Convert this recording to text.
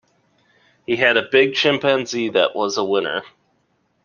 He had a big chimpanzee that was a winner.